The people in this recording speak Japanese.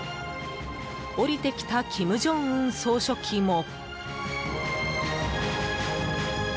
降りてきた金正恩総書記も。